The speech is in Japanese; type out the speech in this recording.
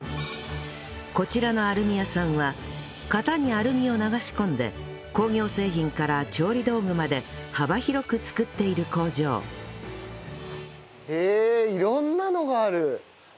こちらのアルミ屋さんは型にアルミを流し込んで工業製品から調理道具まで幅広く作っている工場へえ色んなのがある。